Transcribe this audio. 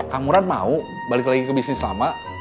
kamuran mau balik lagi ke bisnis lama